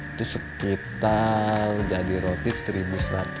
itu sekitar jadi roti rp satu seratus